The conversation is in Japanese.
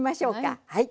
はい。